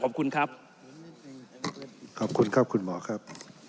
ขอบคุณครับคุณหมอครับ